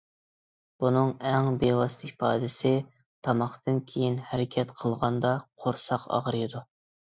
بۇنىڭ ئەڭ بىۋاسىتە ئىپادىسى تاماقتىن كېيىن ھەرىكەت قىلغاندا قورساق ئاغرىيدۇ.